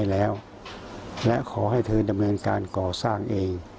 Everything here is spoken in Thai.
แล้วและขอให้เธอดำเนินการก่อสร้างเอง